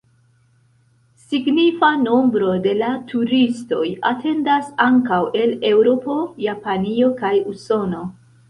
Signifa nombro de la turistoj atendas ankaŭ el Eŭropo, Japanio kaj Usono.